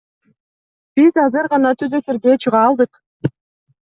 Биз азыр гана түз эфирге чыга алдык.